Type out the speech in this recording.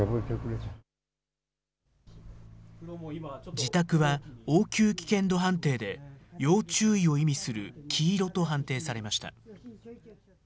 自宅は、応急危険度判定で要注意を意味する黄色と判定されました。